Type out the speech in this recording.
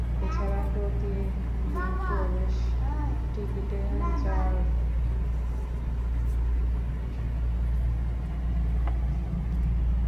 এ ছাড়া প্রতিদিন প্রবেশ টিকিটে র্যাফল ড্রয়ের মাধ্যমে সৌজন্য টিকিটের ব্যবস্থা থাকবে।